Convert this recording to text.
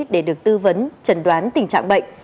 để được tư vấn chẩn đoán tình trạng bệnh